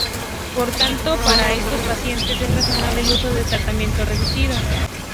Por tanto, para estos pacientes es razonable el uso de este tratamiento reducido.